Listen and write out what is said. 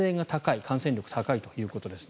感染力が高いということですね。